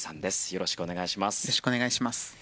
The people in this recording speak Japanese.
よろしくお願いします。